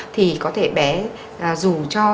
thì có thể bé dù cho